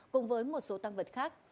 cùng với một số tăng vật khác